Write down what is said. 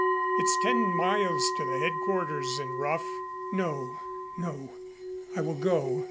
It's ten miles to headquarters and rough." "No no, I will go.